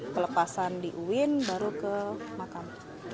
pelepasan di uin baru ke makam